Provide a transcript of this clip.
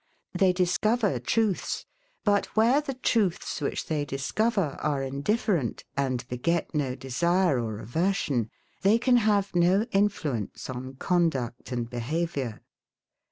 They discover truths: but where the truths which they discover are indifferent, and beget no desire or aversion, they can have no influence on conduct and behaviour.